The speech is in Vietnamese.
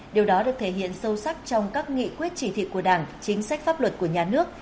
điều đó được thể hiện sâu sắc trong các nghị quyết chỉ thị của đảng chính sách pháp luật của nhà nước